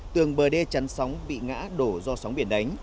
tường bờ đê chắn sóng bị ngã đổ do sóng biển đánh